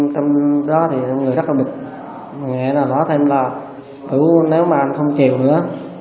trong đó thì ông nghe rất là bực nghe là nói thêm là bữa nếu mà anh không chịu nữa